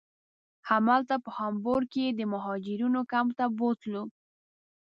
همالته په هامبورګ کې یې د مهاجرینو کمپ ته بوتلو.